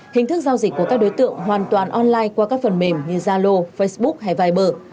hình thức giao dịch của các đối tượng hoàn toàn online qua các phần mềm như zalo facebook hay viber